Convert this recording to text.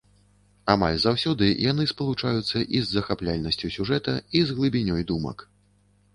Амаль заўсёды яны спалучаюцца і з захапляльнасцю сюжэта, і з глыбінёй думак.